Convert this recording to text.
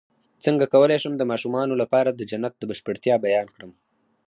څنګه کولی شم د ماشومانو لپاره د جنت د بشپړتیا بیان کړم